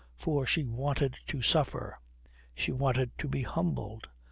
For she wanted to suffer, she wanted to be humbled.